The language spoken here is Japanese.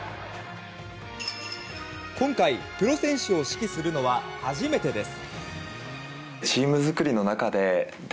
今回、プロ選手を指揮するのは初めてです。